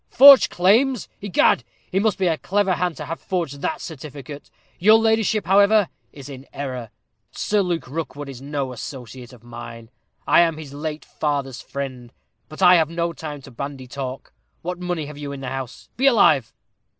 "Forged claims! Egad, he must be a clever hand to have forged that certificate. Your ladyship, however, is in error. Sir Luke Rookwood is no associate of mine; I am his late father's friend. But I have no time to bandy talk. What money have you in the house? Be alive."